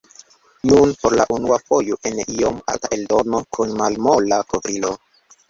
Nun por la unua fojo en iom arta eldono, kun malmola kovrilo.